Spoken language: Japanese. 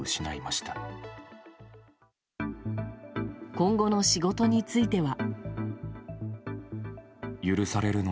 今後の仕事については。